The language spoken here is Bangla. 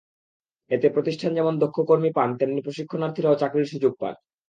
এতে প্রতিষ্ঠান যেমন দক্ষ কর্মী পান তেমনি প্রশিক্ষণার্থীরাও চাকরির সুযোগ পান।